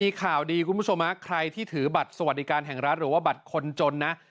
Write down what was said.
มีข่าวดีคุณผู้ชมฮะใครที่ถือบัตรสวัสดิการแห่งรัฐหรือว่าบัตรคนจนนะ